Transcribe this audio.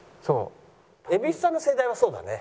蛭子さんの世代はそうだね。